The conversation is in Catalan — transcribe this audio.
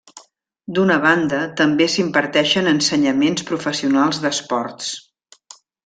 D'una banda també s'imparteixen ensenyaments professionals d'esports.